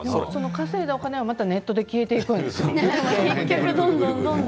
稼いだお金は、またネットで消えていくんですよね。